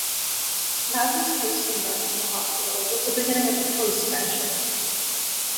Madden's post-game rush to the hospital was the beginning of a close friendship.